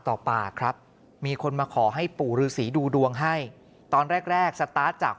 ต่อปากครับมีคนมาขอให้ปู่ฤษีดูดวงให้ตอนแรกแรกสตาร์ทจาก